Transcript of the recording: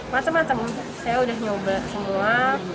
macem macem saya udah nyoba semua